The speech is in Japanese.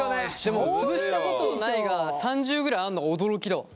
潰したことないが３０ぐらいあんの驚きだわ。